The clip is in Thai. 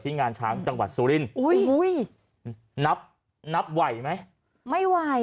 งานช้างจังหวัดสุรินอุ้ยนับนับไหวไหมไม่ไหว